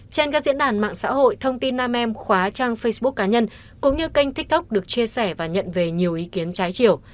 trên các diễn đàn mạng xã hội thông tin nam em khóa trang facebook cá nhân cũng như kênh tiktok được chia sẻ và nhận về nhiều ý kiến trái chiều